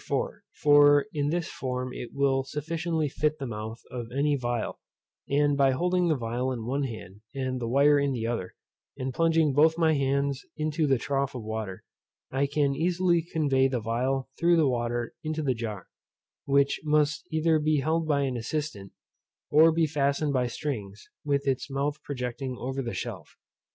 4, for in this form it will sufficiently fit the mouth of any phial, and by holding the phial in one hand, and the wire in the other, and plunging both my hands into the trough of water, I can easily convey the phial through the water into the jar; which must either be held by an assistant, or be fastened by strings, with its mouth projecting over the shelf.